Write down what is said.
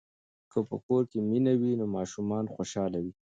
که په کور کې مینه وي نو ماشومان خوشاله وي.